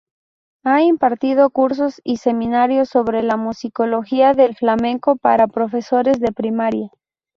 Ha impartido cursos y seminarios sobre la Musicología del Flamenco para profesores de primaria.